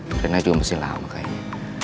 karena juga masih lama kayaknya